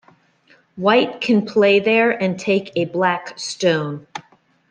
White can play there and take a black stone.